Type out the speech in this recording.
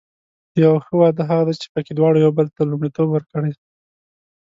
یو ښه واده هغه دی چې پکې دواړه یو بل ته لومړیتوب ورکړي.